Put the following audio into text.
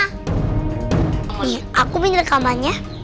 nih aku bingin rekamannya